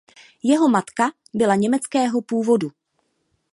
Jeho matka byla německého původu.